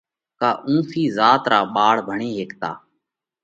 ڪا اُونسِي ذات را ٻاۯ ڀڻي هيڪتا۔